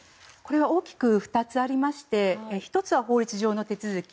大きく２つありまして１つは法律上の手続き